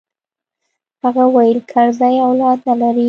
هغه وويل کرزى اولاد نه لري.